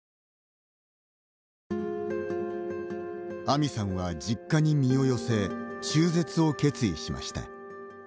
アミさんは実家に身を寄せ中絶を決意しました。